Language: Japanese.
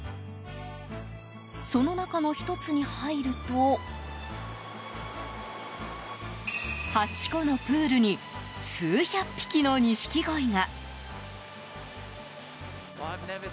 その中の１つに入ると８個のプールに数百匹の錦鯉が。